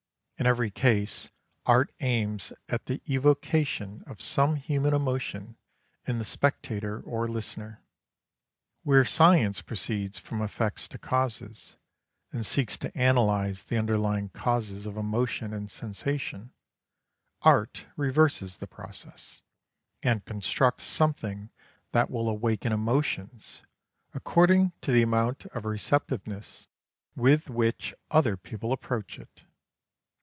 In every case art aims at the evocation of some human emotion in the spectator or listener. Where science proceeds from effects to causes, and seeks to analyze the underlying causes of emotion and sensation, art reverses the process, and constructs something that will awaken emotions, according to the amount of receptiveness with which other people approach it.